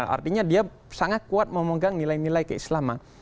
artinya dia sangat kuat memegang nilai nilai keislaman